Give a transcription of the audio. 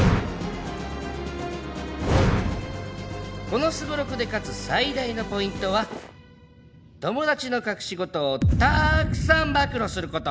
このすごろくで勝つ最大のポイントは友達の隠し事をたくさん暴露する事。